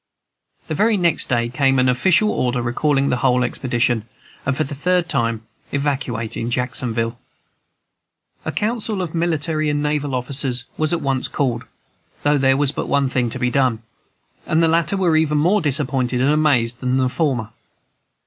The very next day came an official order recalling the whole expedition, and for the third time evacuating Jacksonville. A council of military and naval officers was at once called (though there was but one thing to be done), and the latter were even more disappointed and amazed than the former.